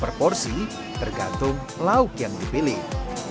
dan juga untuk menikmati makanan yang dipilih